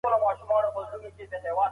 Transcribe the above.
هسي نه چي ګناه کار سم ستا و مخ ته په کتو کي